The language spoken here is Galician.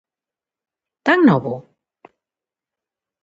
Tan novo!?